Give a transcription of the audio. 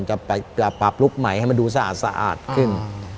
จะไปปรับลุคใหม่ให้มันดูสะอาดขึ้น